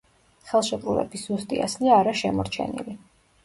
ხელშეკრულების ზუსტი ასლი არა შემორჩენილი.